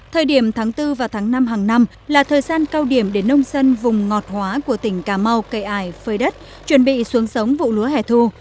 thời điểm tháng bốn và tháng năm hàng năm là thời gian cao điểm để nông dân vùng ngọt hóa của tỉnh cà mau cây ải phơi đất chuẩn bị xuống sống vụ lúa hẻ thu